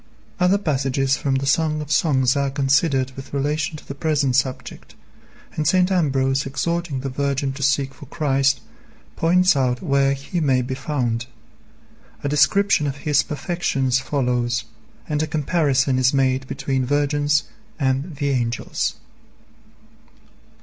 Other passages from the Song of Songs are considered with relation to the present subject, and St. Ambrose exhorting the virgin to seek for Christ, points out where He may be found. A description of His perfections follows, and a comparison is made between virgins and the angels.